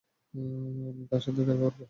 আমি তার সাথে দেখা করব।